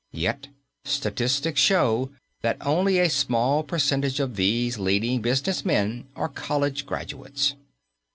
Yet statistics show that only a small percentage of these leading business men are college graduates.